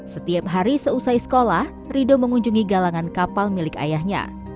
setiap hari seusai sekolah rido mengunjungi galangan kapal milik ayahnya